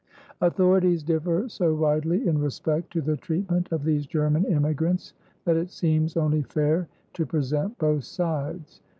Authorities differ so widely in respect to the treatment of these German immigrants that it seems only fair to present both sides.